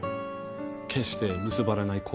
決して結ばれない恋